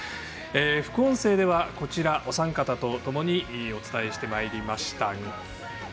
副音声ではこちらお三方とともにお伝えしてまいりました。